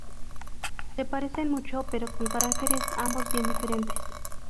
Se parecen mucho pero con caracteres ambos bien diferentes.